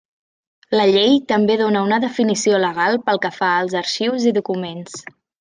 La Llei també dóna una definició legal pel que fa als arxius i documents.